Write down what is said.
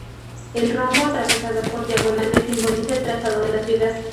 El rombo atravesado por diagonales simboliza el trazado de la ciudad.